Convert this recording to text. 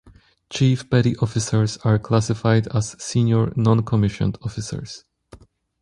Chief petty officers are classified as senior non-commissioned officers.